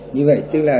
như vậy tức là